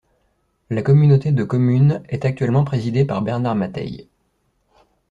La communauté de communes est actuellement présidée par Bernard Mateille.